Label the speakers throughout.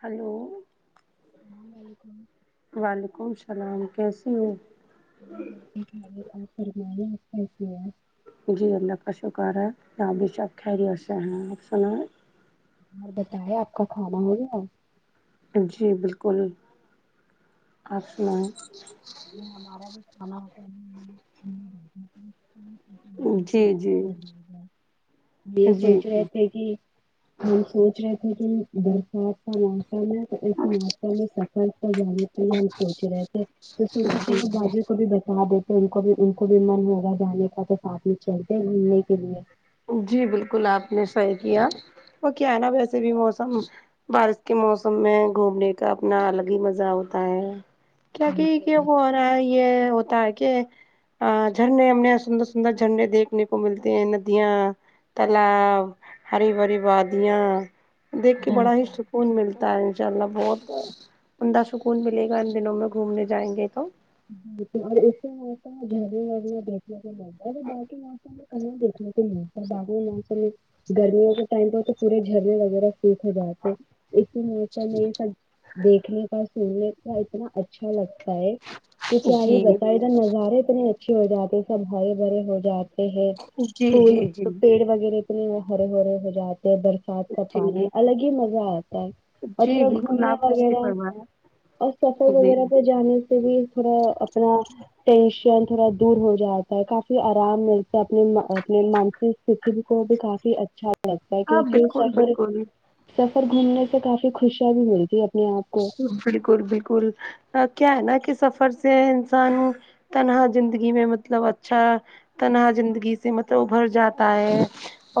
Speaker 1: hello
Speaker 2: وعلیکم
Speaker 1: وعلیکم السلام کیسی ہو
Speaker 2: میں بالکل خیریت آپ فرمایئے آپ کیسی ہے
Speaker 1: جی اللہ کا شکار ہے یہاں بھی سب خیریت سے ہیں آپ سنا
Speaker 2: اور بتائے آپ کا کھانا ہو گیا
Speaker 1: جی بالکل آپ سناؤ
Speaker 2: جی ہمارا بھی کھانا ہوگیا
Speaker 1: جی جی
Speaker 2: [unintelligible] [unintelligible] یہ
Speaker 1: جی
Speaker 2: سوچ
Speaker 1: جی
Speaker 2: رہے تھے کی وہ سوچ رہے تھے کہ برسات کا موسم ہے ایسے موسم میں سفر پر جانے کے لیے ہم سوچ رہے تھے تو سوچے تھے وہ باجی کو بھی بتا دیتے ان کو بھی ان کو بھی من ہوگا جانے کا تو ساتھ میں چلتے گھومنے کے لیے
Speaker 1: جی بالکل آپ نے صحیح کیا وہ کیا ہے نا ویسے بھی موسم بارش کے موسم میں گھومنے کا اپنا الگ ہی مزہ ہوتا ہے کیونکہ کیا
Speaker 2: بالکل
Speaker 1: وہ آ رہا ہے یہ ہوتا ہے کہ جھرنے ہم یہاں سندر سندر جھرنے دیکھنے کو ملتے ہیں ند یاں تالاب ہری بھری وادیاں دیکھ کے بڑا ہی
Speaker 2: بالکل
Speaker 1: سکون ملتا ہے انشاء اللہ بہت عمدہ سکون ملے گا ان دنوں میں گھومنے جائیں گے تو
Speaker 2: [unintelligible] باقی موسم میں دیکھنے کو ملتا ہے [unintelligible] گرمیوں کے ٹائم پہ تو پورے جھرے وغیرہ سرخ ہو جاتے اسی نوکل موکل میں یہ سب دیکھنے کا سننے کا اتنا اچھا لگتا ہے تو کیا ہی
Speaker 1: جی
Speaker 2: بتاۓ ادھر نظارے اتنی اچھے ہو جاتے سب ہرے بھرے ہو جاتے ہے
Speaker 1: جی
Speaker 2: پھول
Speaker 1: جی جی
Speaker 2: پیڑ وغیرہ اتنے ہرے ہھرے ہو جاتے ہیں بر برسات کا پانی
Speaker 1: جی
Speaker 2: الگ ہی مزہ آتا ہے اور
Speaker 1: جی
Speaker 2: تھوڑا
Speaker 1: بالکل
Speaker 2: گھومنے
Speaker 1: آپ نے صحیح
Speaker 2: وغیرہ
Speaker 1: فرمایا
Speaker 2: اور سفر
Speaker 1: جی
Speaker 2: وغیرہ پہ جانے سے بھی, ڈ پورا اپنا ٹینشن تھوڑا دور ہو جاتا ہے کافی آرام ملتا ہے اپنے اپنے مانسک ستو کو بھی کافی اچھا لگتا ہے
Speaker 1: ہاں
Speaker 2: کیونکہ وہ
Speaker 1: بالکل
Speaker 2: سفر
Speaker 1: بالکل
Speaker 2: سفر گھومنے سے کافی خوشیاں بھی ملتی ہے اپنے آپ کو
Speaker 1: بالکل بالکل اور کیا ہے نا کہ سفر سے انسان تنہا زندگی میں مطلب اچھا تنہا زندگی سے مطلب ابھر جاتا ہے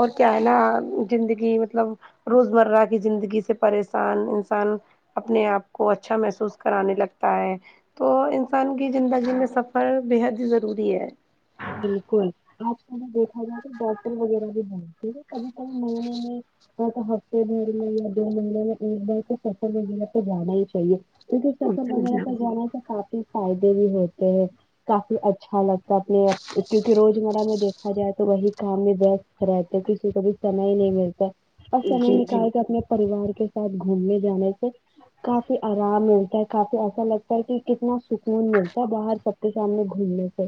Speaker 1: اور کیا ہے نا عام زندگی مطلب روزمرہ کی زندگی سے پریشان انسان اپنے آپ کو اچھا محسوس کرانے لگتا ہے تو انسان کی زندگی میں سفر بےحد ہی ضروری ہے
Speaker 2: بالکل آج ہمیں دیکھا جائے تو ڈاکٹر وغیرہ بھی نہیں دیکھو کبھی کبھی مہینے میں ہاں ہفتے بھر میں یا دو مہینے میں ایک بار تو سفر وغیرہ پے تو جانا ہی چاہیے کیونکہ سفر وغیرہ پہ
Speaker 1: جی
Speaker 2: جانا سے کافی فائدے بھی ہوتے ہیں کافی اچھا لگتا اپنے کیونکہ روزمرہ میں دیکھا جائے تو وہی کام میں ویست رہتے کسی کو بھی سمے ہی نہیں ملتا اور سمے
Speaker 1: جی
Speaker 2: نکال کے اپنے پریوار کے ساتھ گھومنے جانے سے کافی آرام ملتا ہے کافی ایسا لگتا ہے کہ کتنا سکون ملتا ہے باہر کے ساتھ میں گھومنے سے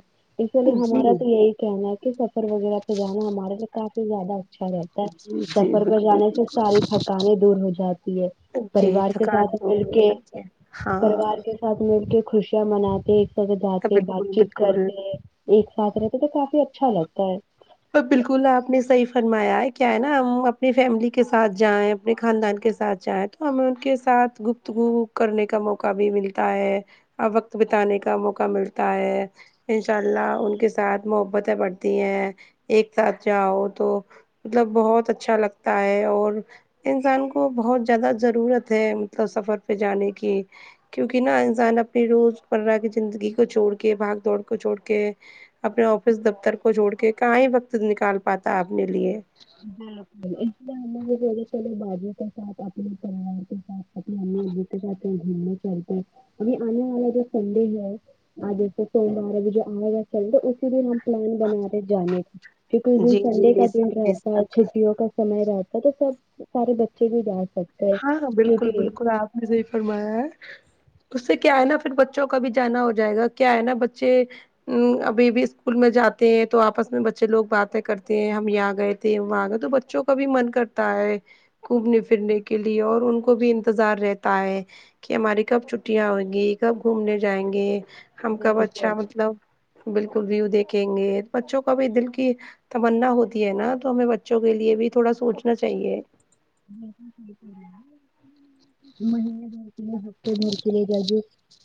Speaker 2: چلیے
Speaker 1: جی
Speaker 2: ہمارا تو یہی کہنا ہے کہ سفر وغیرہ پہ جانا ہمارے لیے کافی زیادہ اچھا رہتا ہے
Speaker 1: جی جی
Speaker 2: سفر پہ
Speaker 1: بالکل
Speaker 2: جانے سے ساری تھکانیں دور ہو جاتی ہے
Speaker 1: جی
Speaker 2: پریوار کے
Speaker 1: تھکان
Speaker 2: ساتھ مل
Speaker 1: دور ہو
Speaker 2: کے
Speaker 1: جاتی ہے ہاں
Speaker 2: پریوار کے ساتھ مل کے خوشیاں مناتے ہے ایک جگہ جاتے
Speaker 1: بالکل
Speaker 2: بات چیت
Speaker 1: بالکل
Speaker 2: کرتے ہے ایک ساتھ رہتے تو کافی اچھا لگتا ہے
Speaker 1: پر بالکل آپ نے صحیح فرمایا ہے کیا ہے نا ہم اپنی فیملی کے ساتھ جائیں اپنے خاندان کے ساتھ جائیں تو ہمیں ان کے ساتھ گفتگو کرنے کا موقع بھی ملتا ہے آ وقت بتانے کا موقع ملتا ہے انشاء اللہ ان کے ساتھ محبتیں بڑھتی ہیں ایک ساتھ جاؤ تو مطلب بہت اچھا لگتا ہے اور انسان کو بہت زیادہ ضرورت ہے مطلب سفر پہ جانے کی کیونکہ نا انسان اپنی روزمرہ کی زندگی کو چھوڑ کے بھاگ دوڑ کو چھوڑ کے اپنے آفس دفتر کو جوھڑ کے کہ ہی وقت نکال پاتا اپنے لیے
Speaker 2: ہاو [unintelligible] سات اپنے پریوار کا ساتھ اپنے امی ابو جاتے گومنا چالتے ابھی آنے والا جو سنڈے ہی ہے [unintelligible] پلان بنا رہے جانے کا کیونکہ اسدن
Speaker 1: جی جی
Speaker 2: سنڈے کا
Speaker 1: بے
Speaker 2: دن
Speaker 1: شک بے
Speaker 2: رہتا ہے
Speaker 1: شک
Speaker 2: چھٹی چھٹی کا سمے رہتا ہے تو سب سارے بچے بھی جا سکت
Speaker 1: ہاں ہاں بالکل بالکل آپ نے صحیح فرمایا ہے اس سے کیا ہے نا پھر بچوں کا بھی جانا ہو جائے گا کیا ہے نا بچے ام ابھی بھی اسکول میں جاتے ہیں تو آپس میں بچے لوگ باتیں کرتے ہیں ہم یہاں گئے تھے وہاں گئے تو بچ بچوں کا بھی من کرتا ہے گھومنے پھرنے کے لیے اور ان کو بھی انتظار رہتا ہے کہ ہماری کب چھٹیاں ہوئگی کب گھومنے جائیں گے ہم کب
Speaker 2: بالکل
Speaker 1: اچھا مطلب بالکل ویو دیکھیں گے بچوں کا بھی دل کی تمنا ہوتی ہے نا تو ہمیں بچوں کے لیے بھی تھوڑا سوچنا چاہیے
Speaker 2: مہنے بھر ہفتے بھر کے لے جا جو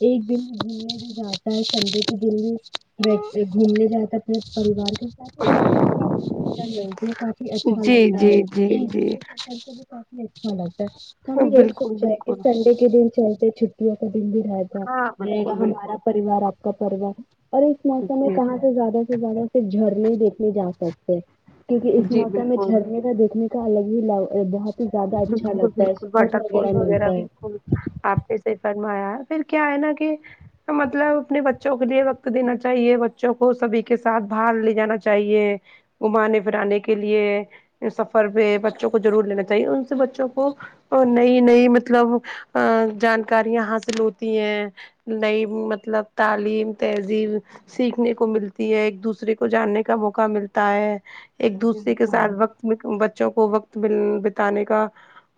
Speaker 2: ایک دن گھومنے جو جاتا ہے سنڈے کے دن بھی پھر یہ گھومنے جاتا اپنے پریوار کے ساتھ اس میں بھی کافی خوشیاں ہے یہ کافی اچھا
Speaker 1: جی
Speaker 2: لگتا ہے
Speaker 1: جی جی
Speaker 2: ایک دن
Speaker 1: جی
Speaker 2: کے سفر سے بھی کافی اچھا لگتا ہے تو ہمیں یہی
Speaker 1: بالکل
Speaker 2: سوچا ہے کہ
Speaker 1: بالکل
Speaker 2: سنڈے کے دن چلتے چھٹی کا دن بھی رہتا
Speaker 1: ہاں
Speaker 2: ہے رہے گا
Speaker 1: بالکل بالکل
Speaker 2: ہمارا پریوار آپ کا پریوار اور اس موسم میں کہاں
Speaker 1: جی
Speaker 2: سے زیادہ سے زیادہ صرف جھرنے دیکھنے جا سکتے کیونکہ اس
Speaker 1: جی
Speaker 2: موسم میں
Speaker 1: بالکل
Speaker 2: جھرنے کا دیکھنے کا الگ ہی لو بہت ہی زیادہ اچھا
Speaker 1: بالکل
Speaker 2: لگتا ہے
Speaker 1: بالکل
Speaker 2: سکون
Speaker 1: واٹر فال وغیرہ
Speaker 2: ملتا ہے
Speaker 1: بالکل آپ نے صحیح فرمایا پھر کیا ہے نا کہ مطلب اپنے بچوں کے لیے وقت دینا چاہیے بچوں کو سبھی کے ساتھ باہر لے جانا چاہیے گھمانے پھرانے کے لیے سفر پہ بچوں کو ضرور لینا چاہیے ان سے بچوں کو اور نئی نئی مطلب ا جانکاریاں حاصل ہوتی ہیں نئی مطلب تعلیم تہذیب سیکھنے کو ملتی ہے ایک دوسرے کو جاننے کا موقع ملتا ہے ایک دوسرے کے
Speaker 2: بالکل
Speaker 1: ساتھ وقت بچوں کو وقت مل بتانے کا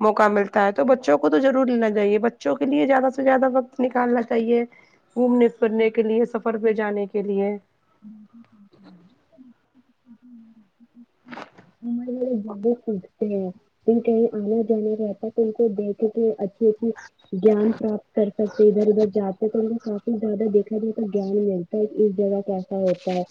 Speaker 1: موقع ملتا ہے تو بچوں کو تو ضرور لینا چاہیے بچوں کے لیے زیادہ سے زیادہ وقت نکالنا چاہیے گھومنے پھرنے کے لیے سفر پہ جانے کے لیے
Speaker 2: [inaudible] سھکتے ہیں ان کہیں آنا جانا رہتا ہے تو ان کو دیکھ کے اچھی اچھی گیان پراپت کر سکتے ادھر ادھر جاتے تو ان کو کافی زیادہ دیکھا جاتا گیان مل اس جگہ کیسا ہوتا ہے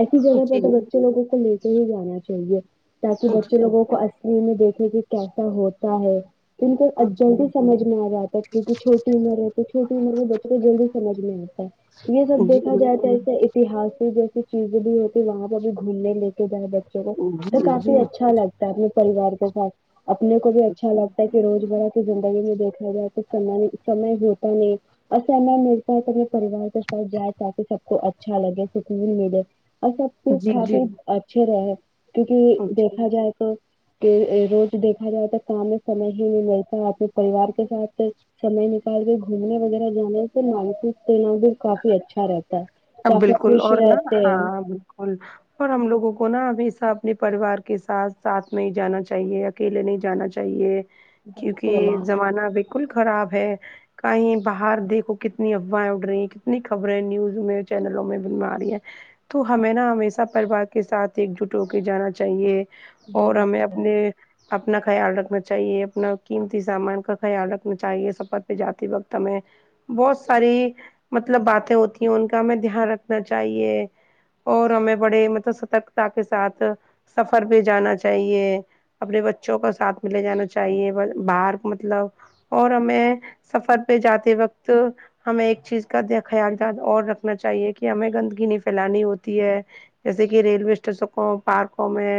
Speaker 2: ایسی جگہ پر تو بچے لوگوں کو لے کے ہی جانا چاہیے تاکہ بچے لوگوں کو اصلی میں دیکھے کہ کیسا ہوتا ہے ان کو اب جلدی سمجھ میں آ جاتا ہے کیونکہ چھوٹی عمر ہے تو چھوٹی عمر میں بچوں کو جلدی سمجھ میں آتا ہے یہ سب دیکھا جائے تو
Speaker 1: جی
Speaker 2: ایسے اس اہاسک جیسی چیزیں بھی ہوتی وہاں پہ بھی گھومنے لے کے جائے بس چلو تو
Speaker 1: جی جی
Speaker 2: کافی
Speaker 1: بالکل جی
Speaker 2: اچھا لگتا ہے اپنے پریوار کےساتھ اپنے کو بھی اچھا لگتا ہے کہ روز برہ زندگی میں دیکھنے جائے تو سم سمے جوہوتا نہیں اصل میں ملتا ہے تو پریوار کے ساتھ جائے تاکہ سب کو اچ اچھا لگے سکون ملے اور سب
Speaker 1: جی
Speaker 2: کافی
Speaker 1: جی
Speaker 2: اچھے رہے کیونکہ
Speaker 1: جی
Speaker 2: دیکھا جائے تو کہ روز دیکھا جائے تو کام میں سمے ہی مل رہتا اپنے پریوار کے ساتھ سمے نکال کے گھومنے وغیرہ جانے سے مانسک تناؤ بھی کافی اچھا رہتا ہے کافی
Speaker 1: بالکل
Speaker 2: خوش
Speaker 1: اور نا
Speaker 2: رہتے ہیں
Speaker 1: ہاں بالکل اور ہم لوگوں کو نا ہمیشہ اپنے پریوار کے ساتھ ساتھ میں جانا چاہیے اکیلے نہیں جانا چاہیے
Speaker 2: بالکل
Speaker 1: کیونکہ زمانہ بالکل خراب ہے کہیں باہر دیکھو کتنی افواہیں اڑ رہی ہیں کتنی خبریں نیوز میں چینلوں میں بنوا رہی ہے تو ہمیں نا ہمیشہ پریوار کے ساتھ ایک جٹ ہو کے جانا چاہیے اور ہمیں
Speaker 2: بالکل
Speaker 1: اپنے اپنا خیال رکھنا چاہیے اپنا قیمتی سامان کا خیال رکھنا چاہیے سفر پہ جاتے وقت ہمیں بہت ساری مطلب باتیں ہوتی ہیں ان کا ہمیں دھیان رکھنا چاہیے اور ہمیں بڑے مطلب سترکتا کے ساتھ سفر پے جانا چاہیے اپنے بچوں کا ساتھ ملے جانا چاہیے باہر مطلب اور ہمیں سفر پہ جاتے وقت ہمیں ایک چیز کا خیالات اور رکھ نا چاہیے کہ ہمیں گندگی نہیں پھیلانی ہوتی ہے جیسے کہ ریلوے اسٹیشکوں پارکوں میں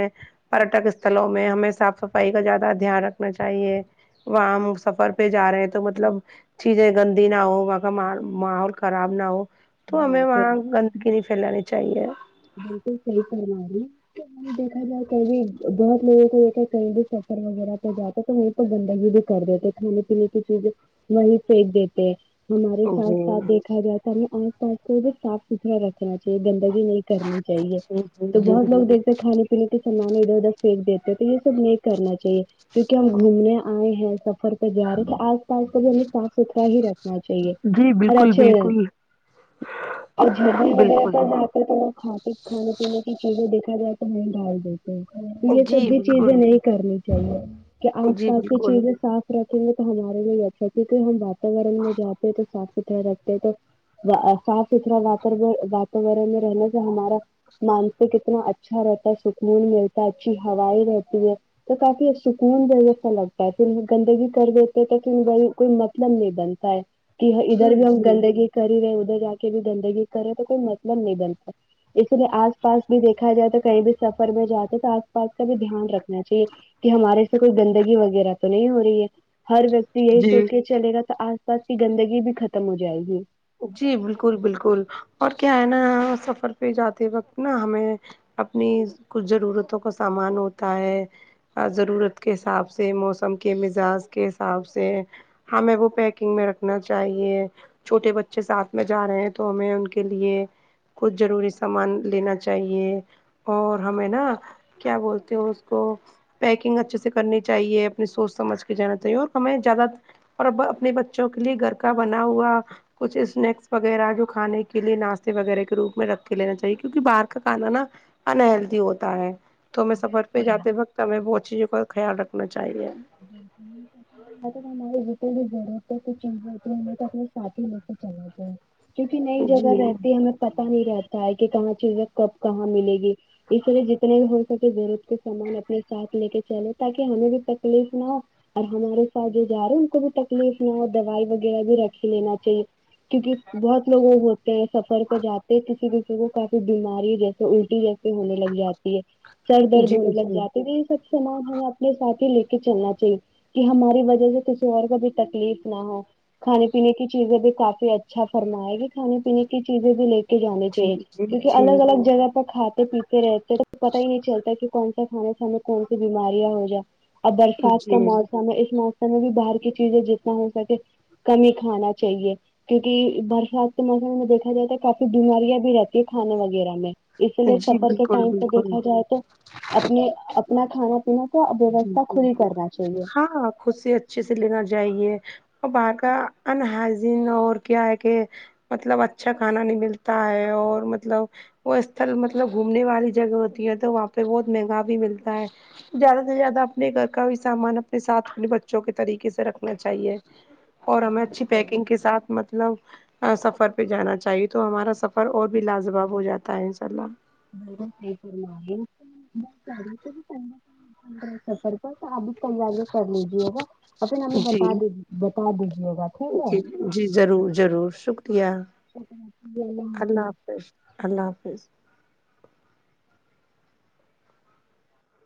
Speaker 1: پریٹک استھلوں میں ہمیں صاف صفائی کا زیادہ دھیان رکھنا چاہیے وہاں ہم سفر پہ جا رہے ہیں تو مطلب چیزیں گندی نہ ہو وہاں کا م ماحول خراب نہ ہو تو ہمیں وہاں
Speaker 2: بالکل
Speaker 1: گندگی نہیں پھیلانی چاہیے
Speaker 2: بالکل صحیح فرما رہی ہے دیکھا جائے کبھی بہت لوگوں کو د ہے کہیں بھی سفر وغیرہ پہ جاتا تو وہ تو گندگی بھی کر دیتے کھانے پینے کی چیزیں وہی پھینک دیتے ہے ہمارے
Speaker 1: جی
Speaker 2: ساتھ ساتھ دیکھا جائے تو ہمیں آس پاس کو بھی صاف ستھرا رکھنا چاہیے گندگی نہیں کرنی چاہیے
Speaker 1: جی
Speaker 2: تو
Speaker 1: جی جی
Speaker 2: بہت لوگ دیکھ کھانے پینے کے سامان ادھر ادھر پھینک دیتے ہے تو یہ سب نہیں کرنا چاہیے کیونکہ ہم گھومنے آئے ہیں سفر پہ جا رہے تو آج کو بھی ہمیں صاف ستھرا ہی رکھنا چاہیے
Speaker 1: جی
Speaker 2: اور
Speaker 1: بالکل
Speaker 2: اچھے
Speaker 1: بالکل
Speaker 2: اور جھرنے وغیرہ
Speaker 1: بالکل
Speaker 2: پر ج تو کھط کھانے پینے کی چیزیں دیکھا جائے تو ہو ڈا ہو ج یہ سب
Speaker 1: جی
Speaker 2: بھی
Speaker 1: بالکل
Speaker 2: چیزیں نہیں کرنی چاہیے کہ آس
Speaker 1: جی
Speaker 2: پاس کی
Speaker 1: بالکل
Speaker 2: چیزیں صاف رکھیں گے تو ہمارے لیے اچھا ہے کیونکہ ہم واتاورن میں جاتے ہیں تو صاف ستھرا رکھ تو صاف ستھرا وتا واتورن میں رہنے سے ہمارا مانسک اتنا اچھا رہتا ہے سکون ملتا ہے اچھی ہویں رہتی ہے تو کافی ایک سکون جیسا لگتا ہے پھر گندگی کر دی کہ کوئی مطلب نہیں بنتا ہے کہ
Speaker 1: جی
Speaker 2: ادھر بھی ہم
Speaker 1: جی
Speaker 2: گندگی کری رہے ادھر جا کے بھی گندگی کرے تو کوئی مطلب نہیں بن اسی لیے آس پاس بھی دیکھا جائے تو کہیں بھی سفر میں جاتے ہیں تو آس پاس کا بھی دھیان رکھنا چاہیے کہ ہمارے سے کوئی گندگی وغیرہ تو نہیں ہو رہی ہے ہر و یکتی یہی
Speaker 1: جی
Speaker 2: سوچ کے چلے گا تو آس پاس کی گندگی بھی ختم ہو جائے گی
Speaker 1: جی بالکل بالکل اور کیا ہے نا سفر پہ جاتے وقت نا ہمیں اپنی کچھ ضرورتوں کا سامان ہوتا ہے ضرورت کے حساب سے موسم کے مزاج کے حساب سے ہمیں وہ پیکنگ میں رکھنا چاہیے چھوٹے بچ ے ساتھ میں جا رہے ہیں تو ہمیں ان کے لیے کچھ ضروری سامان لینا چاہیے اور ہمیں نا کیا بولتے ہو اس کو پیکنگ اچھے سے کرنی چاہیے اپنی سوچ سمجھ کے جانا چاہیے اور ہمیں زیادہ اور آپ اپنے بچوں کے لیے گھر کا بنا ہوا کچھ اسنیکس وغیرہ جو کھانے کے لیے ناشتے وغیرہ کے روپ میں رکھ کے لینا چاہیے کیونکہ باہر کا کھانا نا ان ہیلتھی ہوتا ہے تو ہمیں سفر پہ جاتے وقت ہمیں بہت چیزوں کا خیال رکھنا چاہیے
Speaker 2: [unintelligible] تو ہماری جتنے بھی [unintelligible] جڑت ہے چ ہوتی ہے ہم تو اپنے سات ہی لے کے چلتے ہیں کیونکہ نئی جگہ
Speaker 1: جی
Speaker 2: رہتی ہمیں پتا نہیں رہتا ہے کہ کہاں چیزیں کب کہاں ملے گی اس لیے جتنے بھی ہو سکے ضرورت کے سامان اپنے ساتھ لے کے چلے تاکہ ہمیں بھی تکلیف نہ اور ہمارے ساتھ جو جا رہے ان کو بھی تکلیف نہ ہو دوائی وغیرہ بھی رکھ لینا چاہیے کیونکہ بہت لوگ ہوتے ہیں سفر پہ جاتے ہیں کسی بھی وہ کافی بیماری جیسے الٹی جی سی ہونے لگ جاتی ہے سر درد
Speaker 1: جی
Speaker 2: ہونے لگ
Speaker 1: جی
Speaker 2: جاتی تو یہ سب سامان ہمیں اپنے ساتھ ہی لے کہ چلنا چاہیے کہ ہماری وجہ سے کسی اور کو بھی تکلیف نہ ہو کھانے پینے کی چیزیں بھی کافی اچھا فرمائے گی کھانے پینے کی چیزیں بھی ل کے جانے
Speaker 1: جی
Speaker 2: چاہیے کیونکہ
Speaker 1: جی
Speaker 2: الگ الگ جگہ پر کھاتے پیتے رہتے تو پتا ہی نہیں چلتا کہ کون سا کھانے سانے کون سی بیماریاں ہو جا اب برسات کا
Speaker 1: جی
Speaker 2: موسم ہے اس موسم میں بھی باہر کی چیزیں جتنا ہو سکے کمی ہی کھانا چاہیے کیونکہ برسات کے موسم میں دیکھا جائے تو کافی بیماریاں بھی رہتی ہے کھانے وغیرہ میں اس
Speaker 1: جی
Speaker 2: لیے
Speaker 1: جی
Speaker 2: سفر کے
Speaker 1: بالکل
Speaker 2: ٹائم سے
Speaker 1: بالکل
Speaker 2: دیکھا جائے تو اپنے اپنا کھانا پینا کا
Speaker 1: جی
Speaker 2: ووستھا
Speaker 1: جی
Speaker 2: خل ہی کرنا چاہیے
Speaker 1: ہاں خود سے اچھے سے لینا چاہیے اور باہر کا انہاظن اور کیا ہے کہ مطلب اچھا کھانا نہیں ملتا ہے اور مطلب وہ استھل مطلب گھومنے والی جگہ ہوتی ہے تو وہاں پہ بہت مہنگا بھی ملتا ہے زیادہ سے زیادہ اپنے گھر کا بھی سامان اپنے ساتھ اپنے بچوں کے طریقے سے رکھنا چاہیے اور ہمیں اچھی
Speaker 2: بالکل
Speaker 1: پیکنگ کے ساتھ مطلب سفر پہ جانا چاہیے تو ہمارا سفر اور بھی لاجواب ہو جاتا ہے انشاء اللہ
Speaker 2: بالکل ٹھیک فرما رہی ہے [unintelligible] پندرہ سفر پر تو ابھی تیاریاں کر لیجیے گا اور پھر ہمیں
Speaker 1: جی
Speaker 2: بتا دی بتا دیجیے گا ٹھیک ہے
Speaker 1: جی جی ضرور ضرور شکریہ
Speaker 2: شکریہ حافظ
Speaker 1: اللہ اللہ حافظ